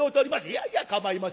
「いやいやかまいません。